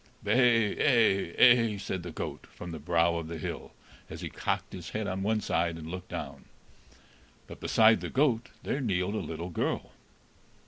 "Bay ay ay," said the goat, from the brow of the hill, as he cocked his head on one side and looked down. But beside the goat there kneeled a little girl.